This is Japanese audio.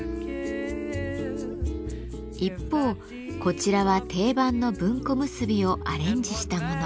一方こちらは定番の文庫結びをアレンジしたもの。